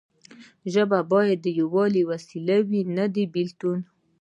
ژبه باید د یووالي وسیله وي نه د بیلتون.